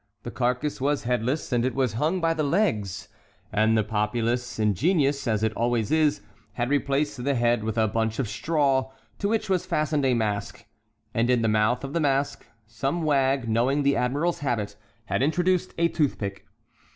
The carcass was headless, and it was hung by the legs, and the populace, ingenious as it always is, had replaced the head with a bunch of straw, to which was fastened a mask; and in the mouth of this mask some wag, knowing the admiral's habit, had introduced a toothpick.